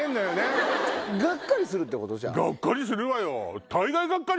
がっかりするわよ！